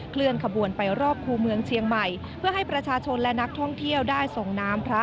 เคลื่อนขบวนไปรอบคู่เมืองเชียงใหม่เพื่อให้ประชาชนและนักท่องเที่ยวได้ส่งน้ำพระ